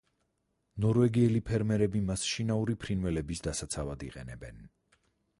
ნორვეგიელი ფერმერები მას შინაური ფრინველების დასაცავად იყენებენ.